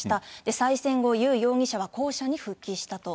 再選後、ユ容疑者は、公社に復帰したと。